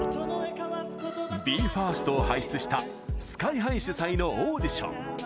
ＢＥ：ＦＩＲＳＴを輩出したＳＫＹ‐ＨＩ主催のオーディション。